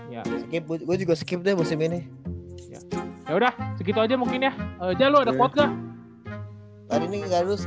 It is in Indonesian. ya skip gue juga skip deh musim ini ya udah segitu aja mungkin ya aja lu ada kotak hari ini